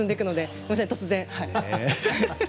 すみません、突然。